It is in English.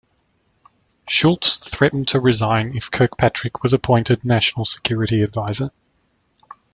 Shultz threatened to resign if Kirkpatrick was appointed National Security Adviser.